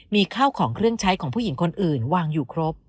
มีข้าวของเครื่องใช้ของผู้หญิงคนอื่นวางอยู่ครบ